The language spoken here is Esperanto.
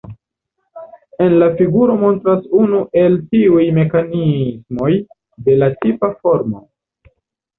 En la figuro montras unu el tiuj mekanismoj, de la tipa formo.